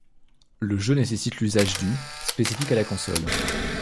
Le jeu nécessite l'usage du ' spécifique à la console.